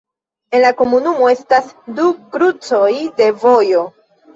En la komunumo estas du krucoj de vojo.